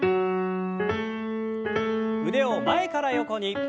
腕を前から横に。